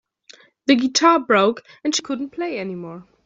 The guitar broke and she couldn't play anymore.